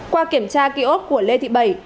qua kiểm tra ký ốt của lê thị bày